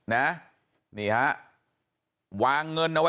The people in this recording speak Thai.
บอกแล้วบอกแล้วบอกแล้ว